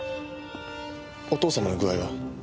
お父様の具合は？